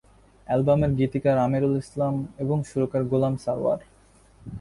অ্যালবামের গীতিকার আমিরুল ইসলাম এবং সুরকার গোলাম সারোয়ার।